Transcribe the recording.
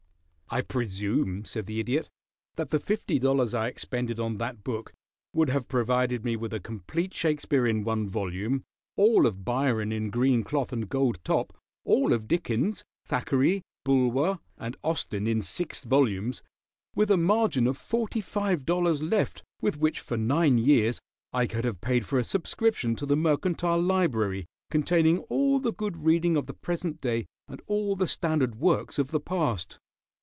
"I presume," said the Idiot, "that the fifty dollars I expended on that book would have provided me with a complete Shakespeare in one volume; all of Byron in green cloth and gold top; all of Dickens, Thackeray, Bulwer, and Austen in six volumes, with a margin of forty five dollars left with which for nine years I could have paid for a subscription to the Mercantile Library, containing all the good reading of the present day and all the standard works of the past.